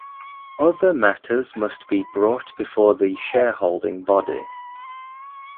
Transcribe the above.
Other matters must be brought before the shareholding body.